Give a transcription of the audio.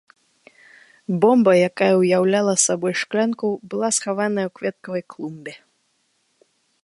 Бомба, якая ўяўляла сабой шклянку, была схавана ў кветкавай клумбе.